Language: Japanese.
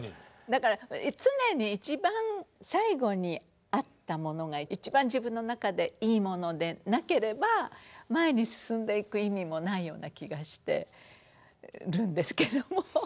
だから常に一番最後にあったものが一番自分の中でいいものでなければ前に進んでいく意味もないような気がしてるんですけれども。